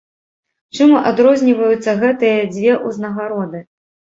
Чым адрозніваюцца гэтыя дзве ўзнагароды?